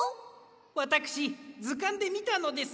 わたくしずかんでみたのです。